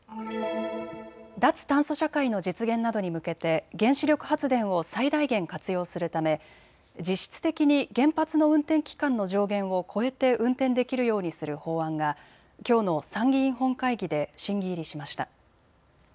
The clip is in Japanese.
脱炭素社会の実現などに向けて原子力発電を最大限活用するため実質的に原発の運転期間の上限を超えて運転できるようにする法案がきょうの参議院本会議で審議入りしました。